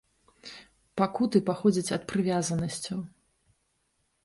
Пакуты паходзяць ад прывязанасцяў.